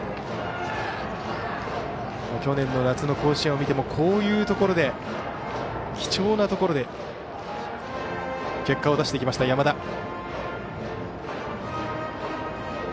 去年の夏の甲子園を見てもこういうところで貴重なところで結果を出してきた山田。